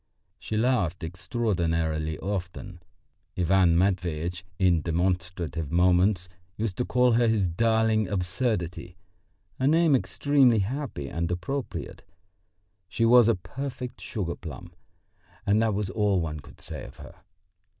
She laughed extraordinarily often. Ivan Matveitch in demonstrative moments used to call her his "darling absurdity" a name extremely happy and appropriate. She was a perfect sugar plum, and that was all one could say of her.